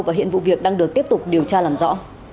và hiện vụ việc đang được tiếp tục điều tra làm rõ